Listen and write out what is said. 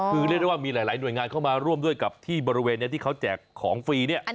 คือเรียกได้ว่ามีหลายหน่วยงานเข้ามาร่วมด้วยกับที่บริเวณนี้ที่เขาแจกของฟรีเนี่ย